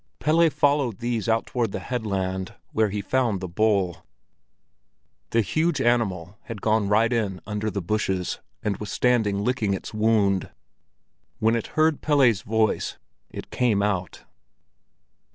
Pelle followed these out toward the headland, where he found the bull. The huge animal had gone right in under the bushes, and was standing licking its wound. When it heard Pelle's voice, it came out.